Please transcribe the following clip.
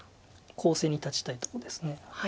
攻勢に立ちたいとこです。